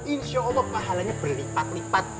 insya allah pahalanya berlipat lipat